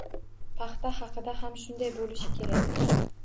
Paxta haqida ham shunday bo'lishi kerak